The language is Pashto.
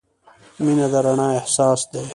• مینه د رڼا احساس دی.